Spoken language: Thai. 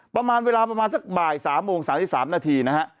ประมาณเวลาประมาณสักบ่าย๓โมง๓๓นาทีนะฮะ